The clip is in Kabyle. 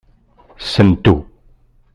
Sentu.